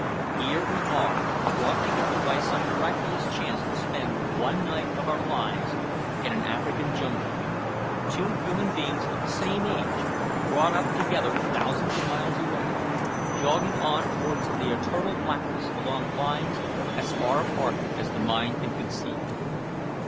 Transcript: Here we are, brought together by some miraculous chance to spend one night of our lives in an African jungle, two human beings of the same age, brought up together thousands of miles away, jogging on towards the eternal blackness along lines as far apart as the mind can conceive."